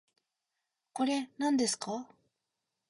これ、なんですか